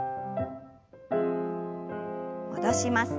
戻します。